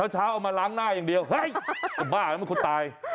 เช้าเอามาล้างหน้าอย่างเดียวเฮ้ยบ้ามันคนตาย